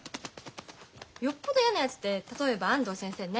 よっぽどやなやつって例えば安藤先生ね。